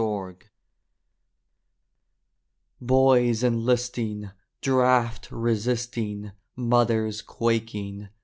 WAR Boys enlisting, Draft resisting, Mothers quaking.